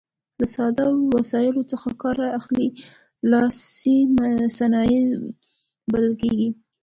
له ساده وسایلو څخه کار اخلي لاسي صنایع بلل کیږي.